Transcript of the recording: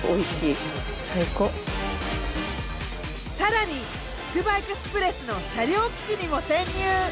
更につくばエクスプレスの車両基地にも潜入！